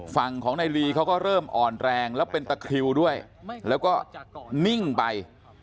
ฝั่งของนายลีเขาก็เริ่มอ่อนแรงแล้วเป็นตะคริวด้วยแล้วก็นิ่งไป